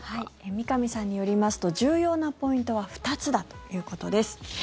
三上さんによりますと重要なポイントは２つだということです。